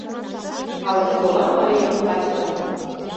Алыксола марийын качыжым